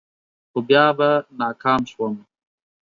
خو بیا به ناکام شوم.